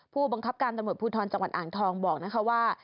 ผู้บังคับการตำรวจภูทรจังหวัดอ่างทองบอกนะคะว่า